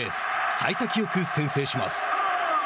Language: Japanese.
さい先よく先制します。